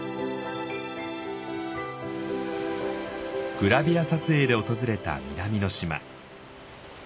グラビア撮影で訪れた南の島。